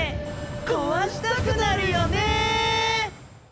壊したくなるよねぇー！